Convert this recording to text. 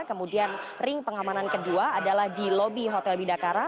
kemudian ring pengamanan kedua adalah di lobi hotel bidakara